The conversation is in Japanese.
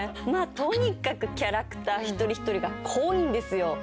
とにかくキャラクター一人一人が濃いんですよ。